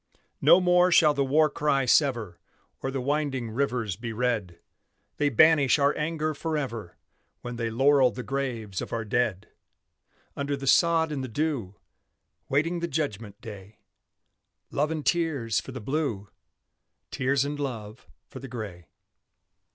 No more shall the war cry sever, Or the winding rivers be red; They banish our anger forever When they laurel the graves of our dead! Under the sod and the dew, Waiting the judgment day; Love and tears for the Blue, Tears and love for the Gray.